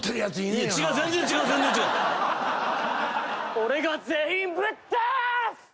「俺が全員ぶっ倒す！」